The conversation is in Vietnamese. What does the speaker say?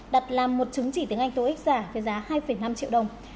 đặt làm một chứng chỉ tiếng anh tô ích giả với giá hai năm triệu đồng